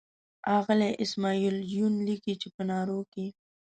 ښاغلی اسماعیل یون لیکي چې په نارو کې.